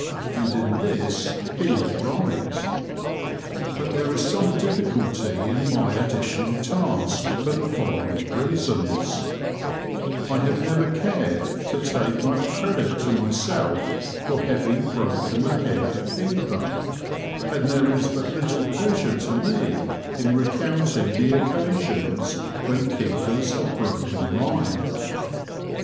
And in this he is right. But there is some difficulty in my additional task for the following reasons : I have never cared to take much credit to myself for having broken the head of a keeper, and there is but little pleasure to me in re counting the occasions when keepers have broken mine.